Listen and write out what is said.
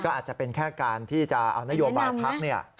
อาจจะเป็นแค่การที่จะเอานโยบายพัก